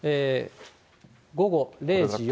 午後０時４０分。